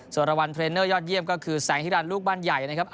ส่วนรางวัลเทรนเนอร์ยอดเยี่ยมก็คือแสงฮิรันลูกบ้านใหญ่นะครับ